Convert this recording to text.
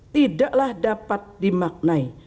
tidaklah dapat dimaknai